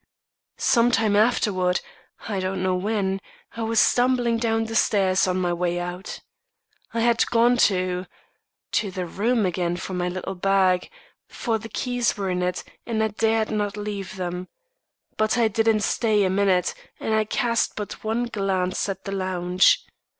"Some time afterward I don't know when I was stumbling down the stairs on my way out. I had gone to to the room again for my little bag; for the keys were in it, and I dared not leave them. But I didn't stay a minute, and I cast but one glance at the lounge.